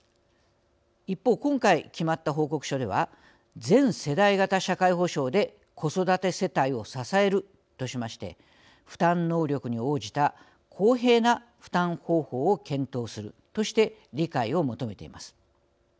一方、今回決まった報告書では全世代型社会保障で子育て世帯を支えるとしまして負担能力に応じた公平な負担方法を検討するとして理解を求めています。